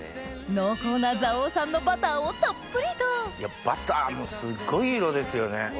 濃厚な蔵王産のバターをたっぷりとバターもすっごいいい色ですよね！